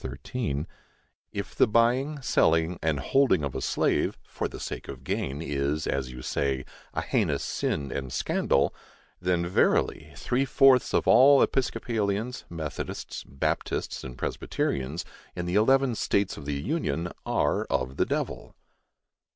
13): If the buying, selling and holding of a slave for the sake of gain, is, as you say, a heinous sin and scandal, then verily three fourths of all Episcopalians, Methodists, Baptists and Presbyterians, in the eleven states of the Union, are of the devil.